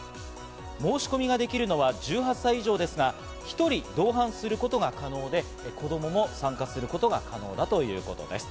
申し込みができるのは１８歳以上ですが、１人同伴することが可能で、子供も参加することが可能だということです。